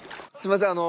すいません